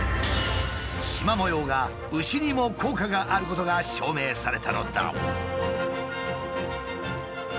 シマ模様が牛にも効果があることが証明されたのだ。